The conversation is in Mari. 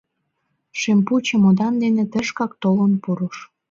Шем пу чемодан дене тышкак толын пурыш.